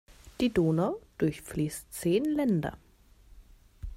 Die Donau durchfließt zehn Länder.